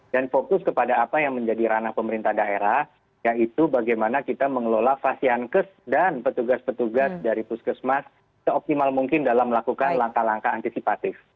dan fokus kepada apa yang menjadi ranah pemerintah daerah yaitu bagaimana kita mengelola fasian kes dan petugas petugas dari puskesmas seoptimal mungkin dalam melakukan langkah langkah antisipatif